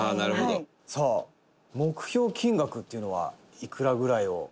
「さあ目標金額っていうのはいくらぐらいを？」